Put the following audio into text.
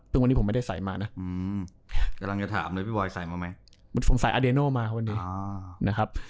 เพราะวันนี้ผมไม่ได้ใส่มานะ